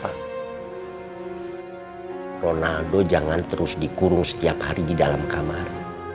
karena ronaldo jangan terus dikurung setiap hari di dalam kamar